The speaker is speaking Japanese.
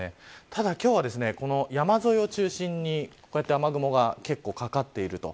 ただ今日はですね、この山沿いを中心に、こうやって雨雲が結構かかっていると。